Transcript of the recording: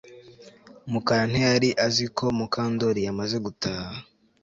Mukara ntiyari azi ko Mukandoli yamaze gutaha